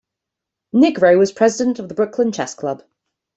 Nigro was President of the Brooklyn Chess Club.